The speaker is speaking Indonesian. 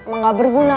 emang gak berguna